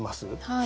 はい。